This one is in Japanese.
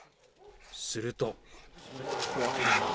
すると。